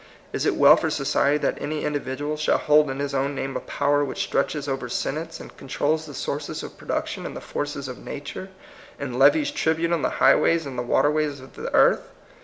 Is it well for society that any individual shall hold in his own name a power which stretches over senates, and controls the sources of production and the forces of nature, and levies tribute on the highways and the waterways of the earth?